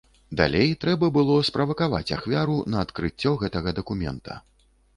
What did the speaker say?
Далей трэба было справакаваць ахвяру на адкрыццё гэтага дакумента.